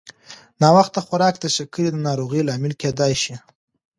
ناوخته خوراک د شکرې د ناروغۍ لامل کېدای شي.